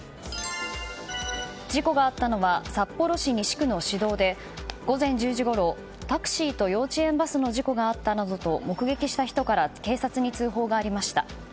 事故があったのは札幌市西区の市道で午前１０時ごろ、タクシーと幼稚園バスの事故があったなどと目撃した人から警察に通報がありました。